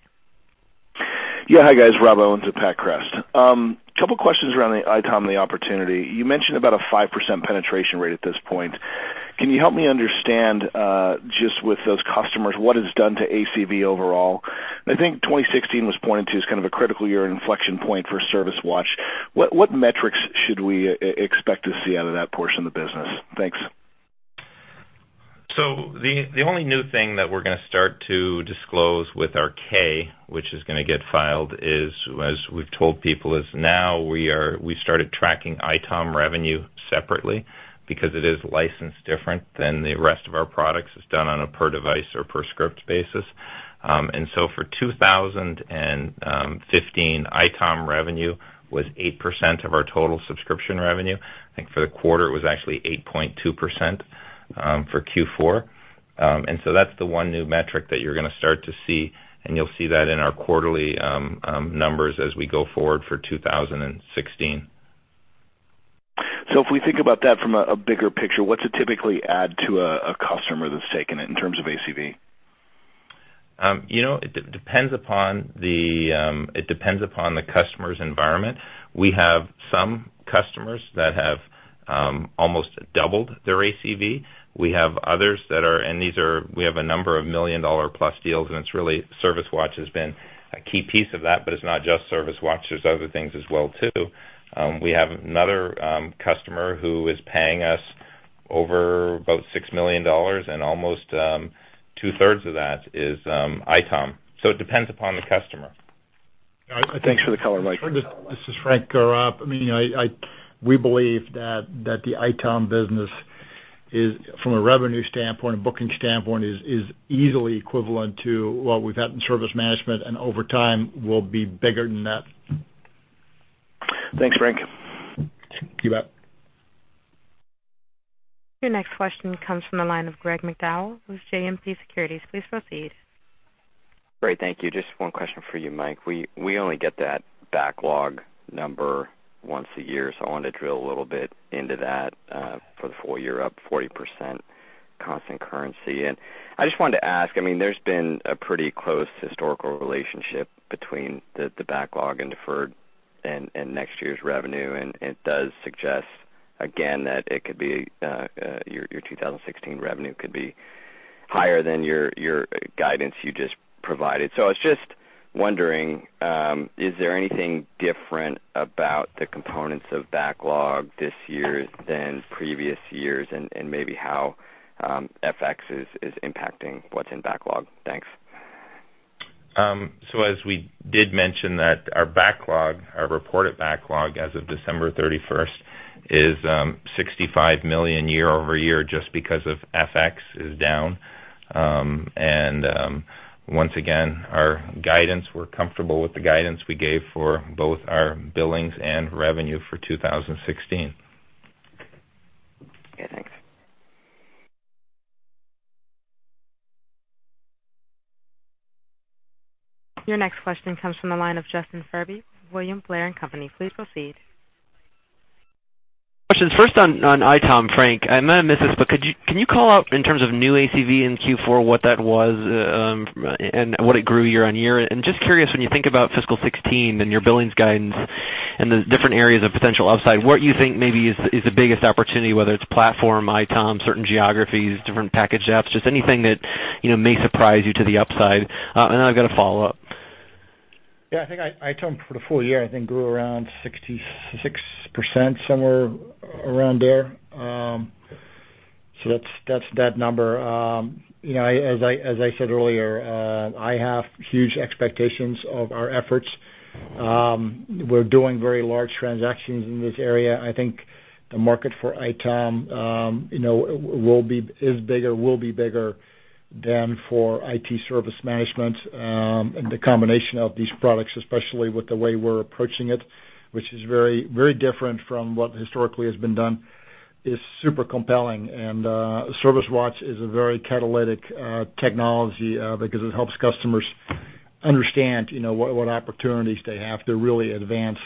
S14: Yeah. Hi, guys. Rob Owens at Pac Crest. Couple questions around the ITOM, the opportunity. You mentioned about a 5% penetration rate at this point. Can you help me understand, just with those customers, what it's done to ACV overall? I think 2016 was pointed to as kind of a critical year, an inflection point for ServiceWatch. What metrics should we expect to see out of that portion of the business? Thanks.
S2: The only new thing that we're going to start to disclose with our K, which is going to get filed, as we've told people, is now we started tracking ITOM revenue separately because it is licensed different than the rest of our products. It's done on a per device or per script basis. For 2015, ITOM revenue was 8% of our total subscription revenue. I think for the quarter, it was actually 8.2% for Q4. That's the one new metric that you're going to start to see, and you'll see that in our quarterly numbers as we go forward for 2016.
S14: If we think about that from a bigger picture, what's it typically add to a customer that's taken it in terms of ACV?
S2: It depends upon the customer's environment. We have some customers that have almost doubled their ACV. We have a number of million-dollar-plus deals, and it's really ServiceWatch has been a key piece of that, but it's not just ServiceWatch. There's other things as well, too. We have another customer who is paying us over about $6 million, and almost two-thirds of that is ITOM. It depends upon the customer.
S14: Thanks for the color, Mike.
S3: This is Frank Slootman. We believe that the ITOM business is, from a revenue standpoint, a booking standpoint, is easily equivalent to what we've had in service management, and over time will be bigger than that.
S14: Thanks, Frank.
S3: You bet.
S1: Your next question comes from the line of Greg McDowell with JMP Securities. Please proceed.
S15: Great. Thank you. Just one question for you, Mike. We only get that backlog number once a year, so I wanted to drill a little bit into that for the full year up 40% constant currency. I just wanted to ask, there's been a pretty close historical relationship between the backlog and deferred and next year's revenue. It does suggest again that your 2016 revenue could be higher than your guidance you just provided. I was just wondering, is there anything different about the components of backlog this year than previous years and maybe how FX is impacting what's in backlog? Thanks.
S2: As we did mention that our backlog, our reported backlog as of December 31st is $65 million year-over-year just because of FX is down. Once again, our guidance, we're comfortable with the guidance we gave for both our billings and revenue for 2016.
S15: Okay, thanks.
S1: Your next question comes from the line of Justin Furby, William Blair & Company. Please proceed.
S16: Questions first on ITOM, Frank. I might have missed this, but can you call out in terms of new ACV in Q4 what that was, and what it grew year-on-year? Just curious, when you think about fiscal 2016 and your billings guidance and the different areas of potential upside, what you think maybe is the biggest opportunity, whether it's platform, ITOM, certain geographies, different package apps, just anything that may surprise you to the upside. Then I've got a follow-up.
S3: Yeah, I think ITOM for the full year, I think, grew around 66%, somewhere around there. That's that number. As I said earlier, I have huge expectations of our efforts. We are doing very large transactions in this area. I think the market for ITOM is bigger, will be bigger than for IT Service Management. The combination of these products, especially with the way we are approaching it, which is very different from what historically has been done, is super compelling. ServiceWatch is a very catalytic technology because it helps customers understand what opportunities they have to really advance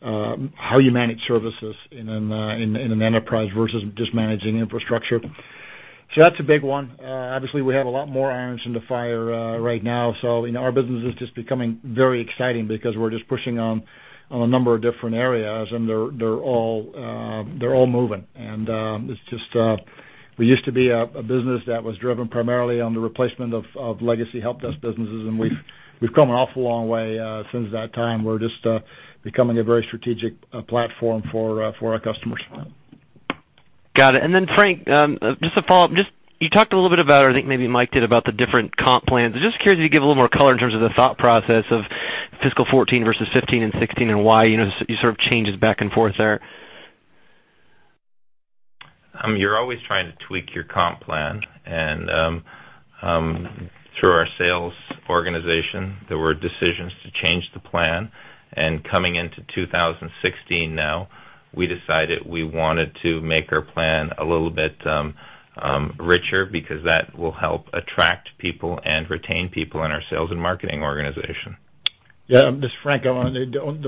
S3: how you manage services in an enterprise versus just managing infrastructure. That's a big one. Obviously, we have a lot more irons in the fire right now. Our business is just becoming very exciting because we are just pushing on a number of different areas, and they are all moving. We used to be a business that was driven primarily on the replacement of legacy helpdesk businesses, and we have come an awful long way since that time. We are just becoming a very strategic platform for our customers.
S16: Got it. Frank, just a follow-up. You talked a little bit about, or I think maybe Mike did, about the different comp plans. I am just curious if you could give a little more color in terms of the thought process of fiscal 2014 versus 2015 and 2016, and why you sort of changes back and forth there.
S2: You are always trying to tweak your comp plan. Through our sales organization, there were decisions to change the plan. Coming into 2016 now, we decided we wanted to make our plan a little bit richer because that will help attract people and retain people in our sales and marketing organization.
S3: This is Frank. The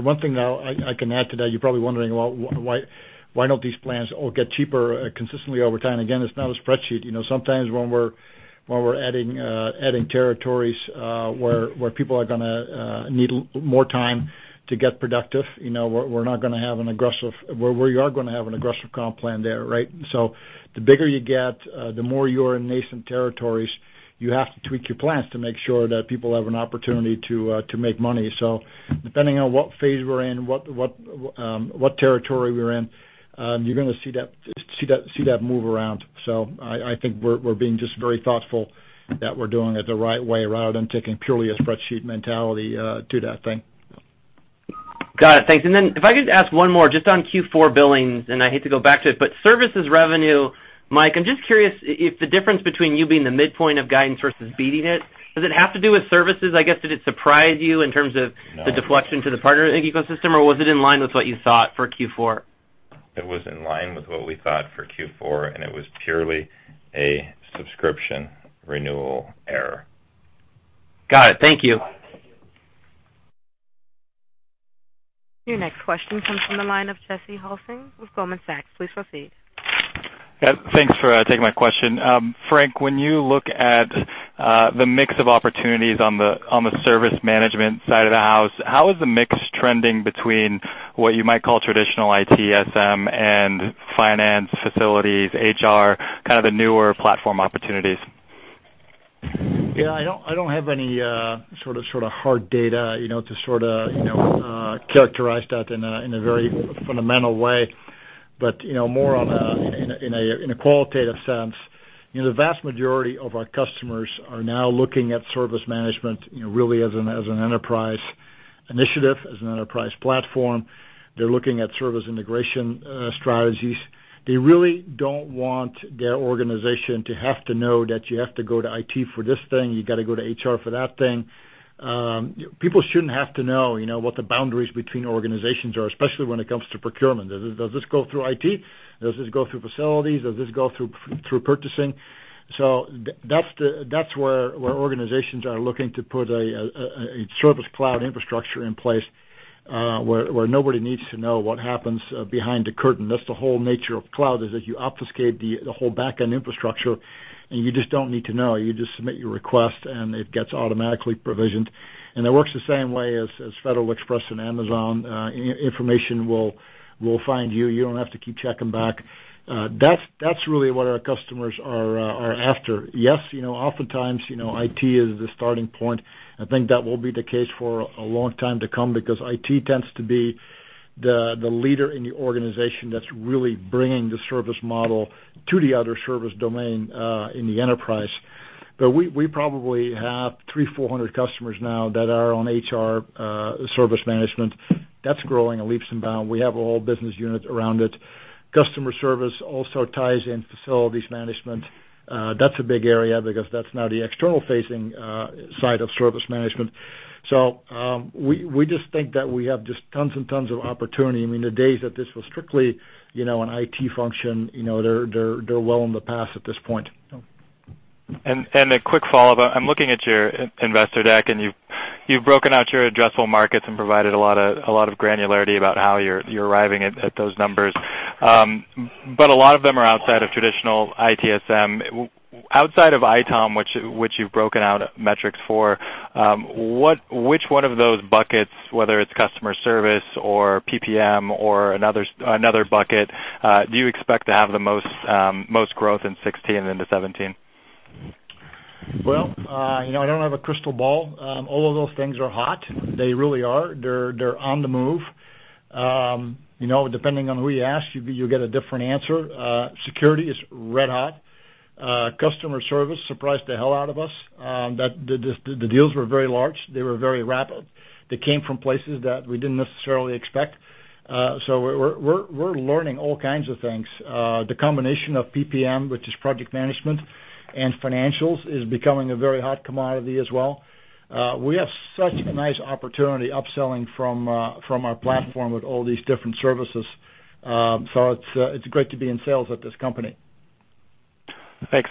S3: one thing that I can add to that, you're probably wondering, well, why don't these plans all get cheaper consistently over time? Again, it's not a spreadsheet. Sometimes when we're adding territories where people are going to need more time to get productive, we are going to have an aggressive comp plan there, right? The bigger you get, the more you are in nascent territories, you have to tweak your plans to make sure that people have an opportunity to make money. Depending on what phase we're in, what territory we're in, you're going to see that move around. I think we're being just very thoughtful that we're doing it the right way rather than taking purely a spreadsheet mentality to that thing.
S16: Got it. Thanks. If I could ask one more, just on Q4 billings, I hate to go back to it, services revenue, Mike, I'm just curious if the difference between you being the midpoint of guidance versus beating it, does it have to do with services? I guess, did it surprise you in terms of-
S2: No
S16: the deflection to the partner ecosystem, or was it in line with what you thought for Q4?
S2: It was in line with what we thought for Q4, it was purely a subscription renewal error.
S16: Got it. Thank you.
S1: Your next question comes from the line of Jesse Hulsing with Goldman Sachs. Please proceed.
S17: Yeah, thanks for taking my question. Frank, when you look at the mix of opportunities on the service management side of the house, how is the mix trending between what you might call traditional ITSM and finance facilities, HR, kind of the newer platform opportunities?
S3: Yeah, I don't have any sort of hard data to characterize that in a very fundamental way. More in a qualitative sense, the vast majority of our customers are now looking at service management really as an enterprise initiative, as an enterprise platform. They're looking at service integration strategies. They really don't want their organization to have to know that you have to go to IT for this thing, you got to go to HR for that thing. People shouldn't have to know what the boundaries between organizations are, especially when it comes to procurement. Does this go through IT? Does this go through facilities? Does this go through purchasing? That's where organizations are looking to put a service cloud infrastructure in place, where nobody needs to know what happens behind the curtain. That's the whole nature of cloud, is that you obfuscate the whole back-end infrastructure, and you just don't need to know. You just submit your request, and it gets automatically provisioned. It works the same way as Federal Express and Amazon. Information will find you. You don't have to keep checking back. That's really what our customers are after. Yes, oftentimes, IT is the starting point. I think that will be the case for a long time to come because IT tends to be the leader in the organization that's really bringing the service model to the other service domain in the enterprise. We probably have 300 or 400 customers now that are on HR Service Delivery. That's growing in leaps and bounds. We have a whole business unit around it. Customer service also ties in facilities management. That's a big area because that's now the external-facing side of service management. We just think that we have just tons and tons of opportunity. The days that this was strictly an IT function, they're well in the past at this point.
S17: A quick follow-up. I'm looking at your investor deck. You've broken out your addressable markets and provided a lot of granularity about how you're arriving at those numbers. A lot of them are outside of traditional ITSM. Outside of ITOM, which you've broken out metrics for, which one of those buckets, whether it's Customer Service Management or PPM or another bucket, do you expect to have the most growth in 2016 into 2017?
S3: Well, I don't have a crystal ball. All of those things are hot. They really are. They're on the move. Depending on who you ask, you'll get a different answer. Security is red hot. Customer Service Management surprised the hell out of us. The deals were very large. They were very rapid. They came from places that we didn't necessarily expect. We're learning all kinds of things. The combination of PPM, which is project management, and financials is becoming a very hot commodity as well. We have such a nice opportunity upselling from our platform with all these different services. It's great to be in sales at this company.
S17: Thanks.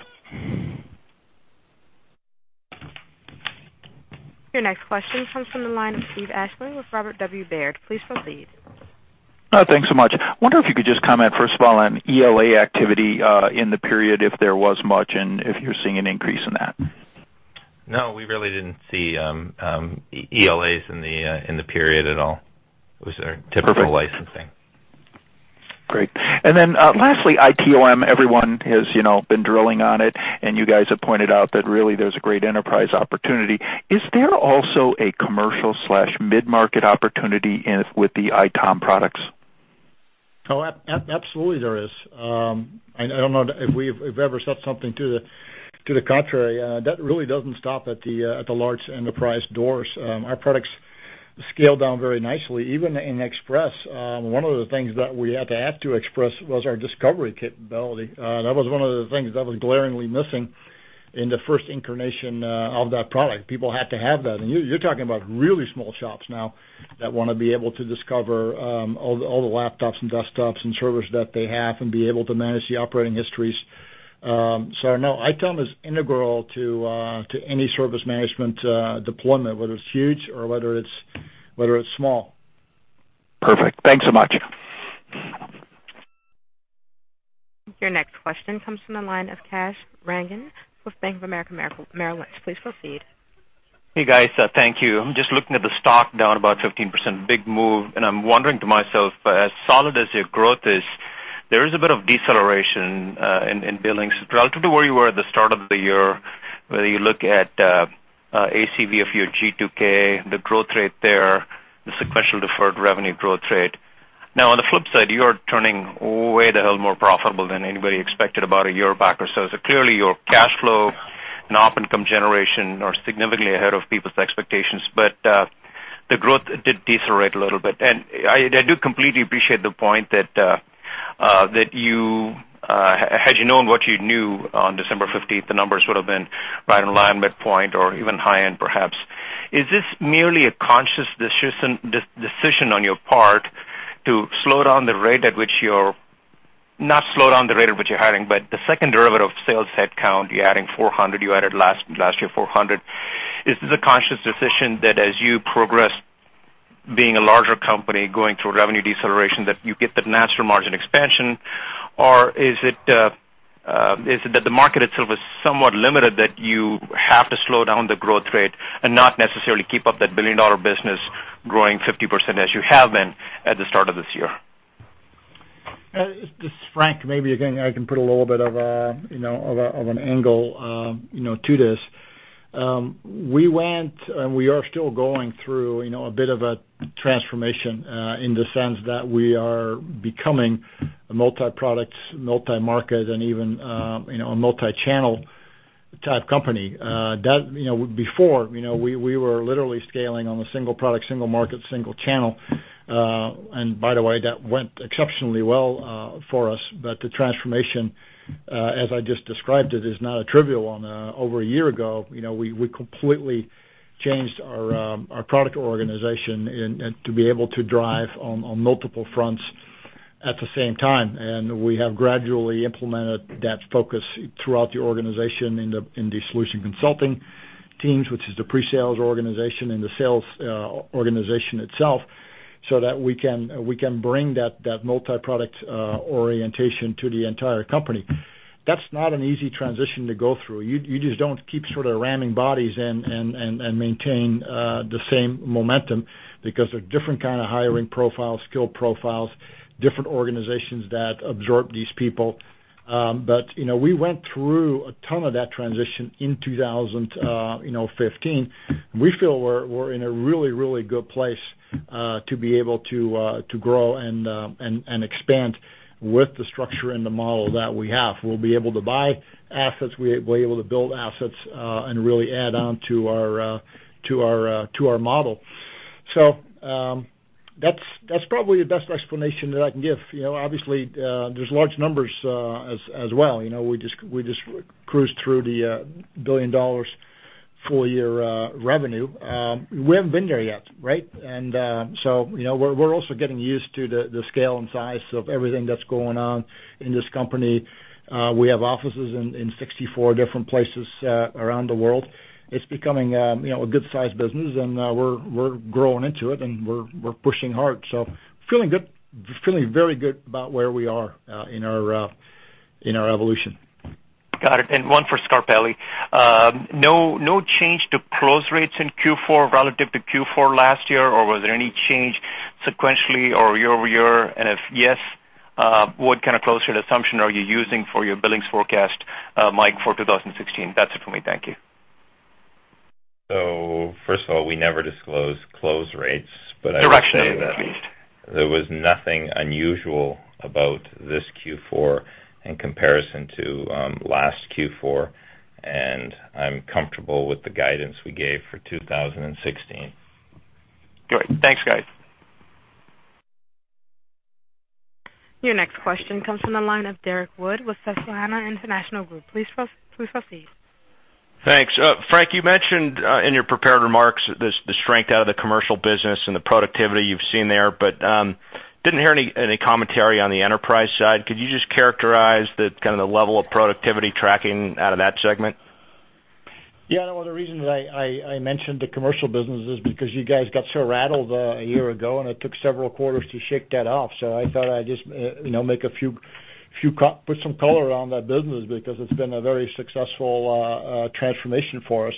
S1: Your next question comes from the line of Steve Ashley with Robert W. Baird. Please proceed.
S18: Thanks so much. Wonder if you could just comment, first of all, on ELA activity in the period, if there was much, and if you're seeing an increase in that.
S2: No, we really didn't see ELAs in the period at all. It was our typical licensing.
S18: Perfect. Great. Lastly, ITOM, everyone has been drilling on it, and you guys have pointed out that really there's a great enterprise opportunity. Is there also a commercial/mid-market opportunity with the ITOM products?
S3: Oh, absolutely there is. I don't know if we've ever said something to the contrary. That really doesn't stop at the large enterprise doors. Our products scale down very nicely, even in Express. One of the things that we had to add to Express was our discovery capability. That was one of the things that was glaringly missing in the first incarnation of that product. People had to have that. You're talking about really small shops now that want to be able to discover all the laptops and desktops and servers that they have and be able to manage the operating histories. No, ITOM is integral to any service management deployment, whether it's huge or whether it's small.
S18: Perfect. Thanks so much.
S1: Your next question comes from the line of Kash Rangan with Bank of America Merrill Lynch. Please proceed.
S19: Hey, guys. Thank you. I'm just looking at the stock down about 15%, big move. I'm wondering to myself, as solid as your growth is, there is a bit of deceleration in billings relative to where you were at the start of the year, whether you look at ACV of your G2K, the growth rate there, the sequential deferred revenue growth rate. On the flip side, you are turning way the hell more profitable than anybody expected about a year back or so. Clearly, your cash flow and op income generation are significantly ahead of people's expectations. The growth did decelerate a little bit. I do completely appreciate the point that had you known what you knew on December 15th, the numbers would've been right in line midpoint or even high-end perhaps. Is this merely a conscious decision on your part to slow down the rate at which you're not slow down the rate at which you're hiring, but the second derivative of sales headcount, you're adding 400, you added last year 400. Is this a conscious decision that as you progress being a larger company going through revenue deceleration, that you get the natural margin expansion? Or is it that the market itself is somewhat limited that you have to slow down the growth rate and not necessarily keep up that billion-dollar business growing 50% as you have been at the start of this year?
S3: This is Frank. Maybe, again, I can put a little bit of an angle to this. We went, and we are still going through, a bit of a transformation in the sense that we are becoming a multi-product, multi-market, and even a multi-channel type company. Before, we were literally scaling on a single product, single market, single channel. By the way, that went exceptionally well for us. The transformation, as I just described it, is not a trivial one. Over a year ago, we completely changed our product organization to be able to drive on multiple fronts at the same time, and we have gradually implemented that focus throughout the organization in the solution consulting teams, which is the pre-sales organization and the sales organization itself, so that we can bring that multi-product orientation to the entire company. That's not an easy transition to go through. You just don't keep sort of ramming bodies and maintain the same momentum because they're different kind of hiring profiles, skill profiles, different organizations that absorb these people. We went through a ton of that transition in 2015. We feel we're in a really good place to be able to grow and expand with the structure and the model that we have. We'll be able to buy assets, we're able to build assets, and really add on to our model. That's probably the best explanation that I can give. Obviously, there's large numbers as well. We just cruised through the $1 billion full-year revenue. We haven't been there yet, right? We're also getting used to the scale and size of everything that's going on in this company. We have offices in 64 different places around the world. It's becoming a good-sized business, and we're growing into it, and we're pushing hard. Feeling very good about where we are in our evolution.
S19: Got it. One for Scarpelli. No change to close rates in Q4 relative to Q4 last year, or was there any change sequentially or year-over-year? If yes, what kind of close rate assumption are you using for your billings forecast, Mike, for 2016? That's it for me. Thank you.
S2: First of all, we never disclose close rates.
S19: Directionally at least
S2: There was nothing unusual about this Q4 in comparison to last Q4, and I'm comfortable with the guidance we gave for 2016.
S19: Great. Thanks, guys.
S1: Your next question comes from the line of Derek Wood with Susquehanna International Group. Please proceed.
S20: Thanks. Frank, you mentioned in your prepared remarks the strength out of the commercial business and the productivity you've seen there, didn't hear any commentary on the enterprise side. Could you just characterize the level of productivity tracking out of that segment?
S3: One of the reasons I mentioned the commercial business is because you guys got so rattled a year ago, and it took several quarters to shake that off. I thought I'd just put some color on that business because it's been a very successful transformation for us.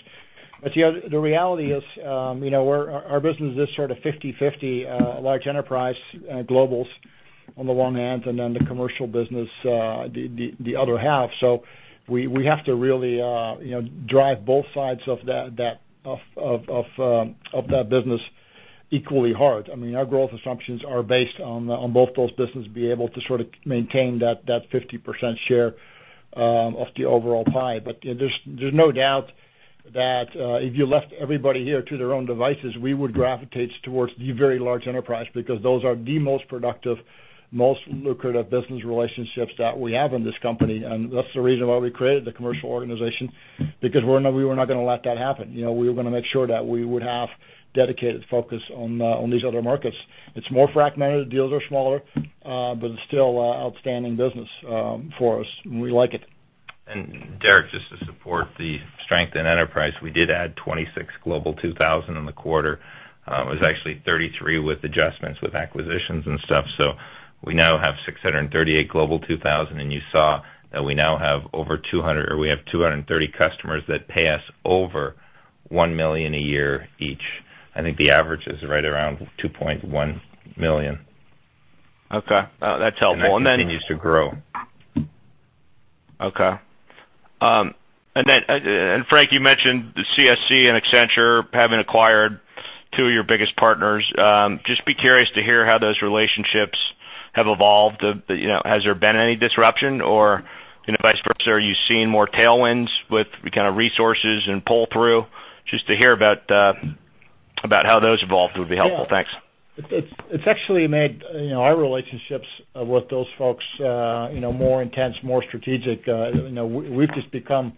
S3: The reality is our business is sort of 50/50 large enterprise globals on the one hand, and then the commercial business the other half. We have to really drive both sides of that business equally hard. Our growth assumptions are based on both those businesses being able to sort of maintain that 50% share of the overall pie. There's no doubt that if you left everybody here to their own devices, we would gravitate towards the very large enterprise because those are the most productive, most lucrative business relationships that we have in this company. That's the reason why we created the commercial organization, because we were not going to let that happen. We were going to make sure that we would have dedicated focus on these other markets. It's more fragmented, deals are smaller, but it's still outstanding business for us, and we like it.
S2: Derek, just to support the strength in enterprise, we did add 26 Global 2000 in the quarter. It was actually 33 with adjustments, with acquisitions and stuff. We now have 638 Global 2000, and you saw that we now have 230 customers that pay us over $1 million a year each. I think the average is right around $2.1 million.
S20: Okay. That's helpful.
S2: That continues to grow.
S20: Okay. Frank, you mentioned CSC and Accenture having acquired two of your biggest partners. Be curious to hear how those relationships have evolved. Has there been any disruption or vice versa? Are you seeing more tailwinds with resources and pull through? To hear about how those evolved would be helpful. Thanks.
S3: Yeah. It's actually made our relationships with those folks more intense, more strategic. We've just become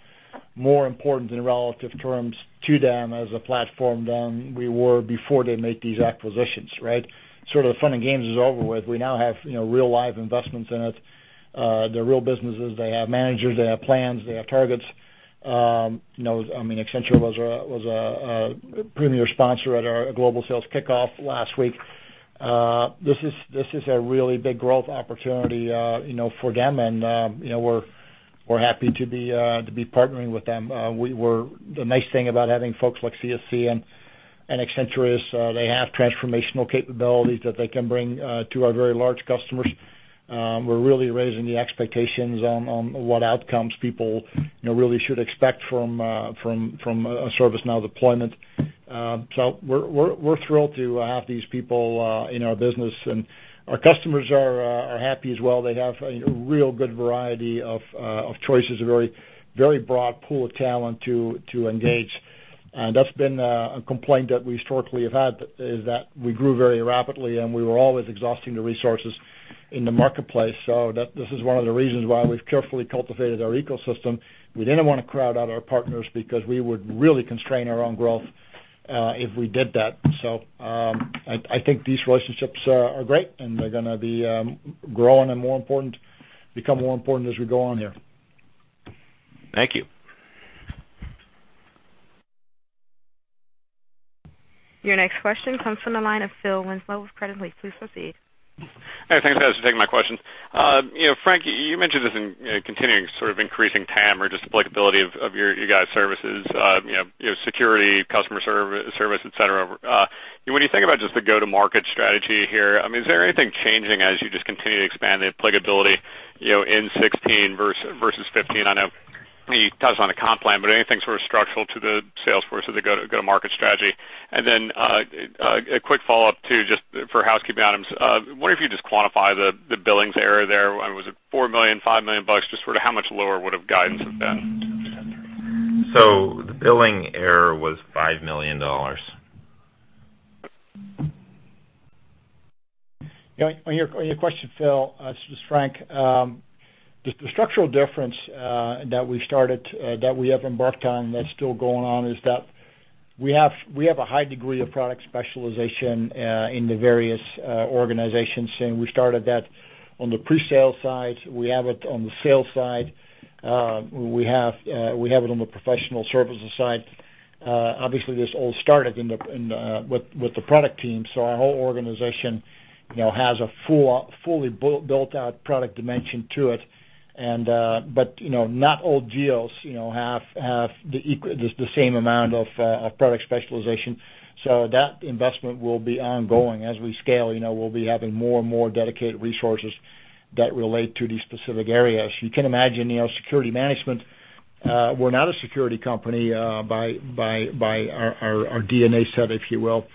S3: more important in relative terms to them as a platform than we were before they made these acquisitions, right? Sort of the fun and games is over with. We now have real live investments in it. They're real businesses. They have managers. They have plans. They have targets. Accenture was a premier sponsor at our global sales kickoff last week. This is a really big growth opportunity for them, and we're happy to be partnering with them. The nice thing about having folks like CSC and Accenture is they have transformational capabilities that they can bring to our very large customers. We're really raising the expectations on what outcomes people really should expect from a ServiceNow deployment. We're thrilled to have these people in our business, and our customers are happy as well. They have a real good variety of choices, a very broad pool of talent to engage. That's been a complaint that we historically have had, is that we grew very rapidly, and we were always exhausting the resources in the marketplace. This is one of the reasons why we've carefully cultivated our ecosystem. We didn't want to crowd out our partners because we would really constrain our own growth if we did that. I think these relationships are great, and they're going to be growing and become more important as we go on here.
S20: Thank you.
S1: Your next question comes from the line of Phil Winslow with Credit Suisse. Please proceed.
S21: Hey, thanks guys, for taking my questions. Frank, you mentioned this in continuing increasing TAM or just applicability of your guys' services, security, customer service, et cetera. When you think about just the go-to-market strategy here, is there anything changing as you just continue to expand the applicability, in 2016 versus 2015? I know it does on a comp plan, but anything structural to the sales force as a go-to-market strategy? A quick follow-up too, just for housekeeping items. I wonder if you just quantify the billings error there. Was it $4 million, $5 million? Just how much lower would have guidance have been?
S2: The billing error was $5 million.
S3: On your question, Phil, this is Frank. The structural difference that we have embarked on that's still going on is that we have a high degree of product specialization in the various organizations. We started that on the pre-sale side. We have it on the sales side. We have it on the professional services side. Obviously, this all started with the product team. Our whole organization has a fully built-out product dimension to it. Not all deals have the same amount of product specialization. That investment will be ongoing. As we scale, we'll be having more and more dedicated resources that relate to these specific areas. You can imagine, security management, we're not a security company by our DNA set, if you will.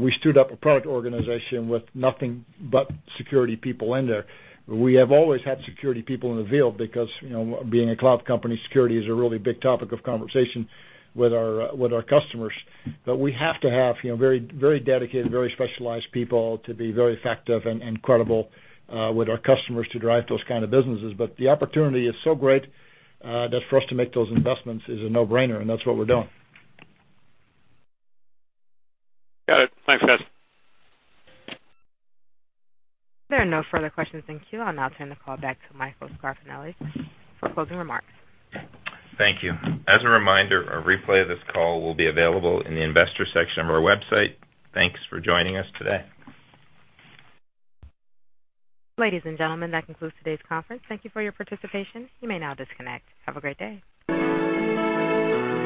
S3: We stood up a product organization with nothing but security people in there. We have always had security people in the field because, being a cloud company, security is a really big topic of conversation with our customers. We have to have very dedicated, very specialized people to be very effective and credible with our customers to drive those kind of businesses. The opportunity is so great, that for us to make those investments is a no-brainer, and that's what we're doing.
S21: Got it. Thanks, guys.
S1: There are no further questions in queue. I'll now turn the call back to Michael Scarpelli for closing remarks.
S2: Thank you. As a reminder, a replay of this call will be available in the investor section of our website. Thanks for joining us today.
S1: Ladies and gentlemen, that concludes today's conference. Thank you for your participation. You may now disconnect. Have a great day.